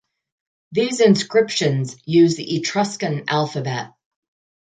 These inscriptions use the Etruscan alphabet.